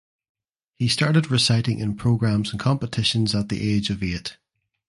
He started reciting in programs and competitions at the age of eight.